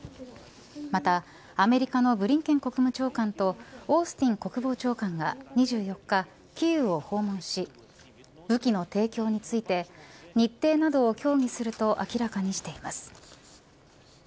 また、アメリカのブリンケン国務長官とオースティン国防長官が２４日キーウを訪問し武器の提供について日程などを協議すると明らかにしています。